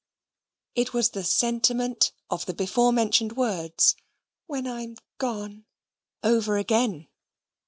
It was the sentiment of the before mentioned words, "When I'm gone," over again.